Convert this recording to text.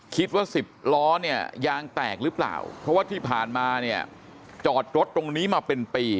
คิดว่าสิบล้อเนี่ยยางแตกหรือเปล่าเพราะว่าที่ผ่านมาเนี่ยจอดรถตรงนี้มาเป็นปี